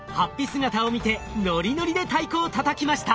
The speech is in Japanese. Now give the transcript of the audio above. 姿を見てノリノリで太鼓をたたきました。